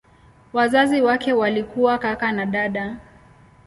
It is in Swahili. Wazazi wake walikuwa kaka na dada.